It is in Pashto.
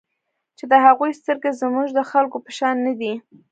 چې د هغوی سترګې زموږ د خلکو په شان نه دي.